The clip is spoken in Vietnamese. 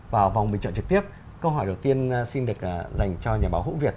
vào vòng bình chọn trực tiếp câu hỏi đầu tiên xin được dành cho nhà báo hữu việt